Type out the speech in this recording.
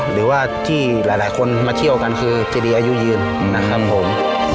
หรือว่าที่หลายคนมาเที่ยวกันคือเจดีอายุยืนนะครับผม